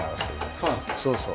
そうそう。